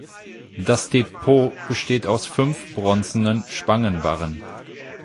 Das Depot besteht aus fünf bronzenen Spangenbarren.